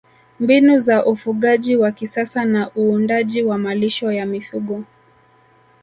Mbinu za ufugaji wa kisasa na uandaaji wa malisho ya mifugo